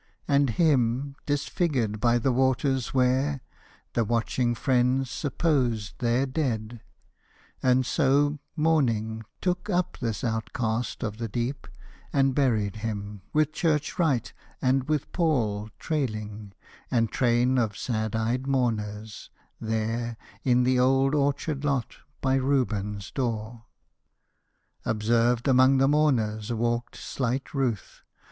And him, disfigured by the water's wear, The watching friends supposed their dead; and so, Mourning, took up this outcast of the deep, And buried him, with church rite and with pall Trailing, and train of sad eyed mourners, there In the old orchard lot by Reuben's door. Observed among the mourners walked slight Ruth.